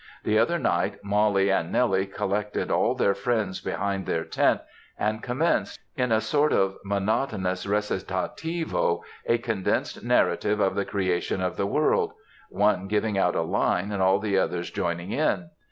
The other night Molly and Nellie collected all their friends behind their tent and commenced, in a sort of monotonous recitativo, a condensed narrative of the creation of the world; one giving out a line and all the others joining in.